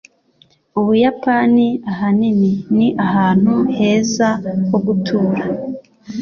Ubuyapani, ahanini, ni ahantu heza ho gutura.